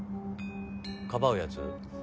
かばうやつ？